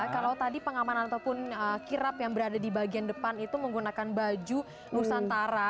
kalau tadi pengamanan ataupun kirap yang berada di bagian depan itu menggunakan baju nusantara